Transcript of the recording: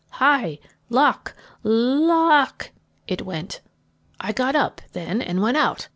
'Hi! hi! Lock! lo oock!' it went. "I got up then and went out.